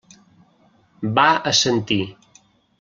Va assentir.